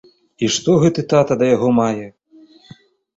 І што гэты тата да яго мае.